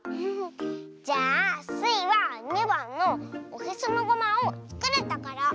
じゃあスイは２ばんの「おへそのごまをつくるところ」。